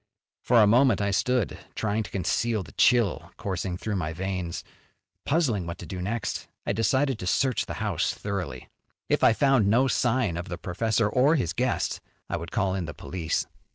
For a moment I stood, trying to conceal the chill coursing through my veins, puzzling what to do next. I decided to search the house thoroughly. If I found no sign of the professor or his guest, I would call in the police.